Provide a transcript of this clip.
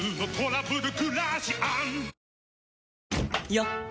よっ！